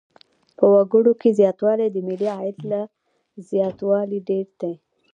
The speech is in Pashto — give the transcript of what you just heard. په وګړو کې زیاتوالی د ملي عاید له زیاتوالي ډېر دی.